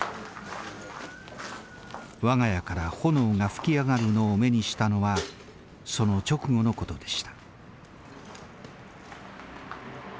我が家から炎が噴き上がるのを目にしたのはその直後のことでした。